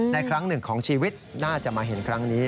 ครั้งหนึ่งของชีวิตน่าจะมาเห็นครั้งนี้